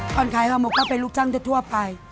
ก่อนขายฮอร์โมก็เป็นลูกจ้างทั่วไป